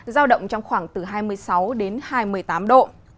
giao động trong khoảng từ hai mươi sáu đến hai mươi tám độ